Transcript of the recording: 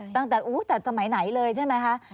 ตั้งแต่สมัยไหนเลยใช่ไหมคะ